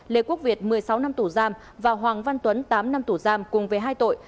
lê quốc việt một mươi sáu năm tù giam và hoàng văn tuấn tám năm tù giam cùng với hai tội